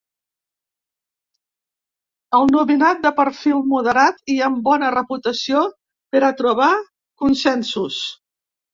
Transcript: El nominat: de perfil moderat i amb bona reputació per a trobar consensos.